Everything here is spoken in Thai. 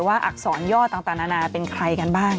อักษรย่อต่างนานาเป็นใครกันบ้าง